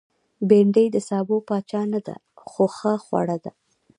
بېنډۍ د سابو پاچا نه ده، خو ښه خوړه ده